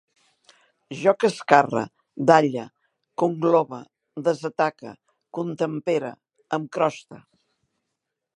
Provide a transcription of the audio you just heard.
Jo cascarre, dalle, conglobe, desataque, contempere, em croste